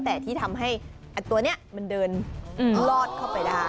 แต่ที่ทำให้ตัวนี้มันเดินลอดเข้าไปได้